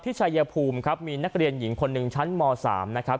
ชายภูมิครับมีนักเรียนหญิงคนหนึ่งชั้นม๓นะครับ